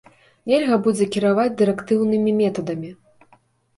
Нельга будзе кіраваць дырэктыўнымі метадамі.